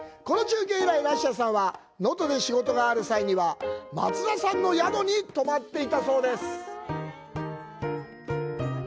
この中継以来、ラッシャーさんは、能登で仕事がある際には、松田さんの宿に泊まっていたそうです。